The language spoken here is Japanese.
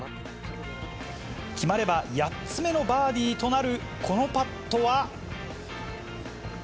決まれば８つ目のバーディーとなるこのパットは。